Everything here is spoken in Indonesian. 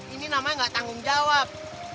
ini namanya nggak tanggung jawab